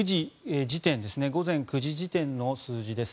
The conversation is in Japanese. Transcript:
午前９時時点の数字です。